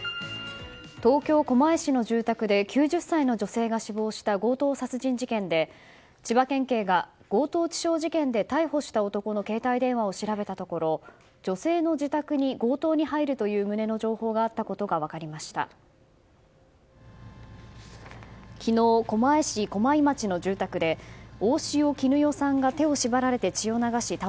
東京・狛江市の住宅で９０歳の女性が死亡した強盗殺人事件で、千葉県警が強盗致傷事件で逮捕した男の携帯電話を調べたところ、女性の自宅に強盗に入ると旨の情報があったことが分かりました。